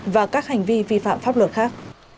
và các hành vi vi phạm pháp luật khác